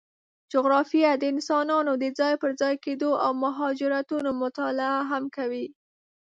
جغرافیه د انسانانو د ځای پر ځای کېدو او مهاجرتونو مطالعه هم کوي.